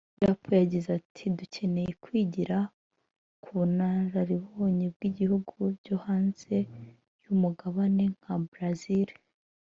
Diop yagize ati “Dukeneye kwigira ku bunararibonye bw’ibihugu byo hanze y’umugabane nka Brazil